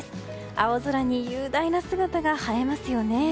青空に雄大な姿が映えますよね。